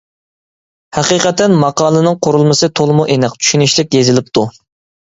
ھەقىقەتەن ماقالىنىڭ قۇرۇلمىسى تولىمۇ ئېنىق، چۈشىنىشلىك يېزىلىپتۇ.